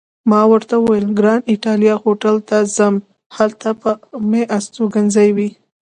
ما ورته وویل: ګران ایټالیا هوټل ته هم ځم، هلته به مې استوګنځی وي.